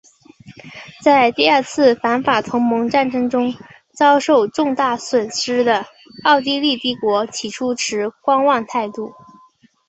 在第二次反法同盟战争中遭受重大损失的奥地利帝国起初持观望态度。